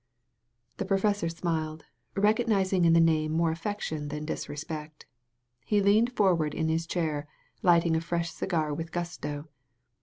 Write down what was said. The professor smiled, recognizing in the name more affection than disrespect. He leaned forward in his chair, lighting a fresh cigar with gusto.